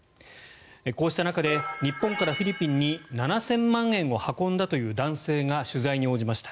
こうした中で日本からフィリピンに７０００万円を運んだという男性が取材に応じました。